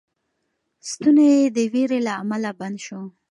ستونی یې د وېرې له امله بند شو.